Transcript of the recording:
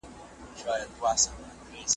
شاعر: ایلا ویلر ویلکا کس ,